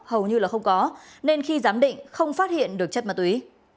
hầu như là không có nên khi giám định không phát hiện được chất ma túy